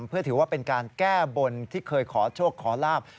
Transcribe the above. เพื่อถือว่าเป็นการแก้บนที่เคยขอโชคขอลาบ